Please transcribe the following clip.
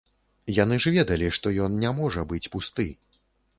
Яны ж ведалі, што ён не можа быць пусты.